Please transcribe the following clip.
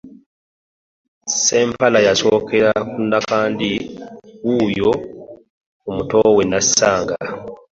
Ssempala yasookera ku Nakandi wuuyo ku muto we Nassanga